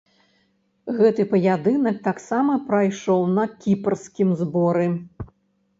Гэты паядынак таксама прайшоў на кіпрскім зборы.